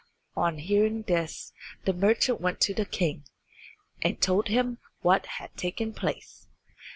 On hearing this the merchant went to the king, and told him what had taken place.